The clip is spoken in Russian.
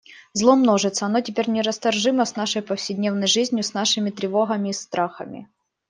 Зло множится, оно теперь нерасторжимо с нашей повседневной жизнью, с нашими тревогами и страхами.